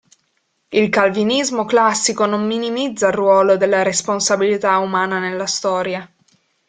Il Calvinismo classico non minimizza il ruolo della responsabilità umana nella storia.